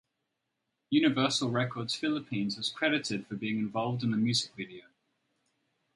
Universal Records Philippines was credited for being involved in the music video.